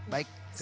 baik terima kasih